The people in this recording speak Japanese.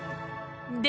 で